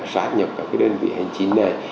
sáp nhập cả cái đơn vị hành chính này